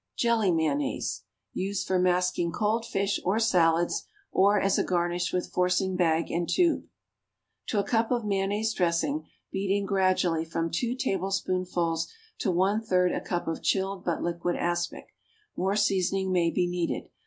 =Jelly Mayonnaise.= (Used for masking cold fish or salads, or as a garnish with forcing bag and tube.) To a cup of mayonnaise dressing beat in gradually from two tablespoonfuls to one third a cup of chilled but liquid aspic. More seasoning may be needed.